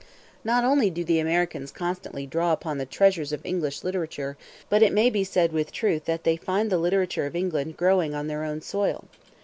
Not only do the Americans constantly draw upon the treasures of English literature, but it may be said with truth that they find the literature of England growing on their own soil.